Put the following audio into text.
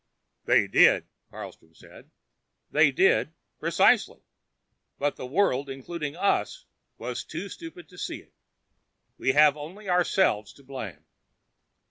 "They did," Carlstrom said. "They did precisely. But the world, including us, was too stupid to see it. We have only ourselves to blame."